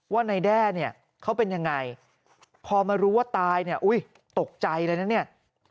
ว่านายแด้เนี่ยเขาเป็นยังไงพอมารู้ว่าตายเนี่ยอุ้ยตกใจเลยนะเนี่ย